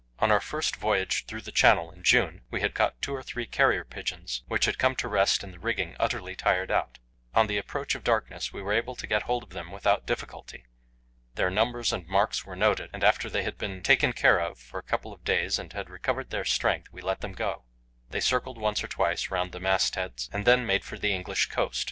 On our first voyage through the Channel in June we had caught two or three carrier pigeons, which had come to rest in the rigging utterly tired out. On the approach of darkness we were able to get hold of them without difficulty. Their numbers and marks were noted, and after they had been taken care of for a couple of days and had recovered their strength, we let them go. They circled once or twice round the mast heads, and then made for the English coast.